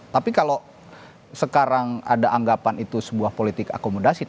tapi kalau sekarang ada anggapan itu sebuah politik akomodasi